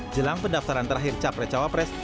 jelang pendaftaran terakhir capres cawapres